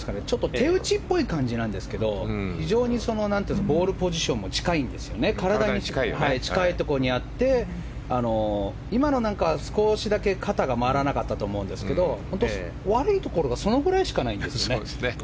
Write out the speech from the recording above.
手打ちっぽい感じなんですけど非常にボールポジションも体に近いところにあって今のなんか、少しだけ肩が回らなかったと思うんですけど悪いところがそのぐらいしかないんですよね。